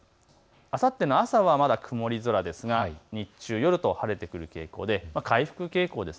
あさっての朝、曇り空ですが日中、夜と晴れてくる傾向で回復傾向です。